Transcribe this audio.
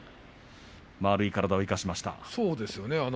丸い体を生かしましたね。